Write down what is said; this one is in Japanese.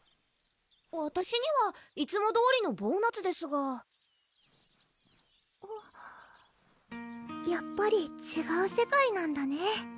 わたしにはいつもどおりのボーナツですがやっぱりちがう世界なんだね